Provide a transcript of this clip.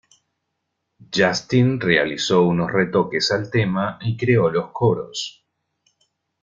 Justin realizó unos retoques al tema y creó los coros.